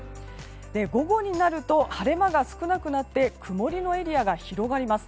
午後になると晴れ間が少なくなって曇りのエリアが広がります。